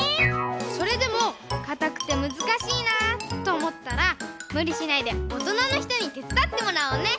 それでもかたくてむずかしいなとおもったらむりしないでおとなのひとにてつだってもらおうね！